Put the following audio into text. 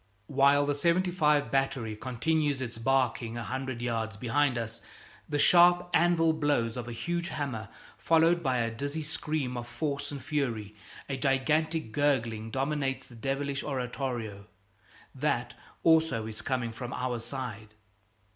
While the "75" battery continues its barking a hundred yards behind us the sharp anvil blows of a huge hammer, followed by a dizzy scream of force and fury a gigantic gurgling dominates the devilish oratorio; that, also, is coming from our side.